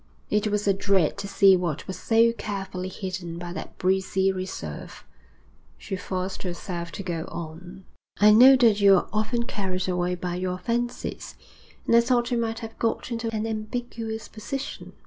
It was a dread to see what was so carefully hidden by that breezy reserve. She forced herself to go on. 'I know that you're often carried away by your fancies, and I thought you might have got into an ambiguous position.'